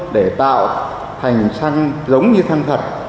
để tạo thành xăng giống như thăng thật